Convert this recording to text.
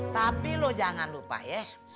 tapi loh jangan lupa ya